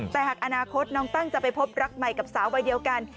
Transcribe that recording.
แต่หากอนาคตน้องตั้งจะไปพบรักใหม่กับสาวใบเดียวกัน